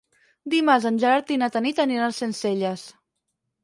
Dimarts en Gerard i na Tanit aniran a Sencelles.